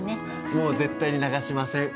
もう絶対に流しません。